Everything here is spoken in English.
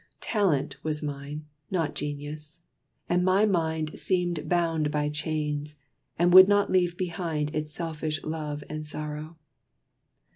Talent was mine, not Genius; and my mind Seemed bound by chains, and would not leave behind Its selfish love and sorrow.